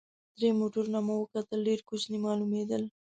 درې موټرونه مو وکتل، ډېر کوچني معلومېدل.